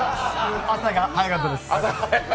朝が早かったです。